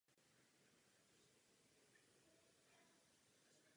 Pracoval jako pojišťovací živnostník.